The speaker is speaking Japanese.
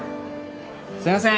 すいませーん。